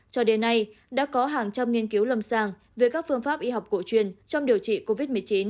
cho đến nay đã có hàng trăm nghiên cứu lâm sàng về các phương pháp y học cổ truyền trong điều trị covid một mươi chín